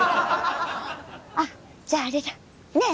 あっじゃああれだねえ